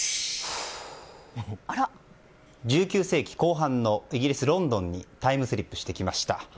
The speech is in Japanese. １９世紀後半のイギリス・ロンドンにタイムスリップしてきました。